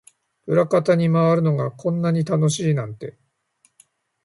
裏方に回るのがこんなに楽しいなんて